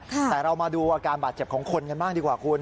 แต่เรามาดูอาการบาดเจ็บของคนกันบ้างดีกว่าคุณ